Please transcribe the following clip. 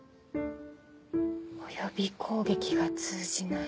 「および」攻撃が通じない。